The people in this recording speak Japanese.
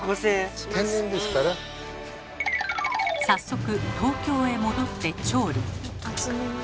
早速東京へ戻って調理。